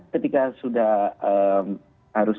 ketika sudah harus